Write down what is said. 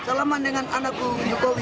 selamat dengan anakku jokowi